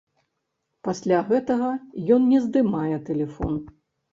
Пасля гэтага ён не здымае тэлефон.